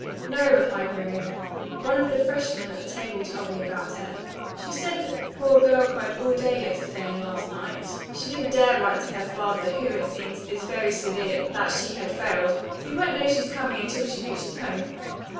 "No," replied Miriam. "One of the freshmen at the table told me about her. She said that the poor girl cried all day yesterday and last night. She didn't dare write her father, who, it seems, is very severe, that she had failed. He won't know she's coming until she reaches home."